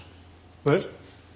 えっ？